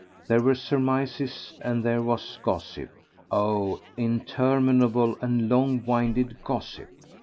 There were surmises and there was gossip— oh! interminable and long winded gossip!